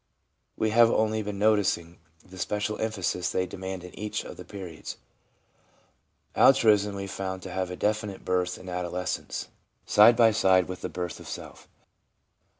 We have only been noticing the special emphasis they demand in each of the periods. Altruism we found to have a definite birth in adolescence, side by side with 4 i6 THE PSYCHOLOGY OF RELIGION the birth of self.